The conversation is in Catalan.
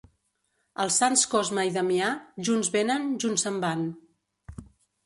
Els sants Cosme i Damià junts venen, junts se'n van.